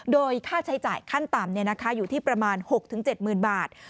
โดยค่าใช้จ่ายขั้นต่ำอยู่ที่ประมาณ๖๗๐๐บาท